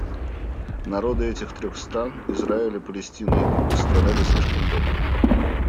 Народы этих трех стран — Израиля, Палестины и Кубы — страдали слишком долго.